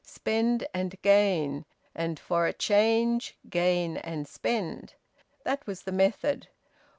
Spend and gain! And, for a change, gain and spend! That was the method.